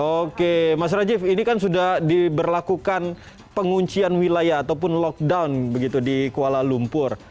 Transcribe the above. oke mas rajiv ini kan sudah diberlakukan penguncian wilayah ataupun lockdown begitu di kuala lumpur